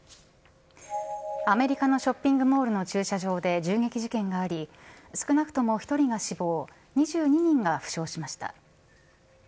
アメリカのショッピングモールの駐車場で銃撃事件があり、少なくとも１人が死亡、２２人が負傷しました。